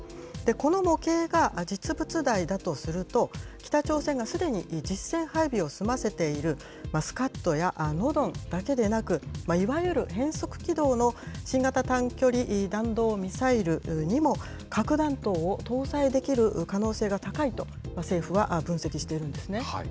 この模型が実物大だとすると、北朝鮮がすでに実戦配備を済ませているスカッドやノドンだけでなく、いわゆる変則軌道の新型短距離弾道ミサイルにも核弾頭を搭載できる可能性が高いと、政府は分析しているんですね。